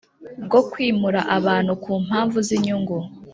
Bwo kwimura abantu ku mpamvu z inyungu